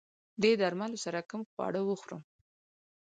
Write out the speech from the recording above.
دې درملو سره کوم خواړه وخورم؟